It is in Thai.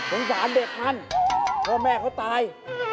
สงสารเด็กมันพ่อแม่เขาตาย